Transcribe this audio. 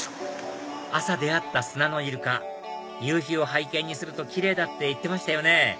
朝出会った砂のイルカ夕日を背景にするとキレイだって言ってましたよね